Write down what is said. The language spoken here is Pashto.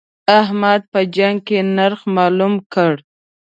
احمد په جنګ کې نرخ مالوم کړ.